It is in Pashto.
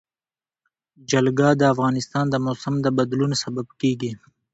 جلګه د افغانستان د موسم د بدلون سبب کېږي.